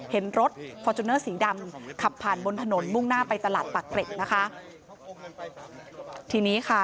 เห็นรถฟอร์จูเนอร์สีดำขับผ่านบนถนนมุ่งหน้าไปตลาดปากเกร็ดนะคะทีนี้ค่ะ